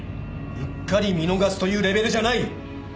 うっかり見逃すというレベルじゃない。